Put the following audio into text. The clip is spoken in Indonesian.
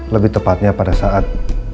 lebih tepatnya pada saat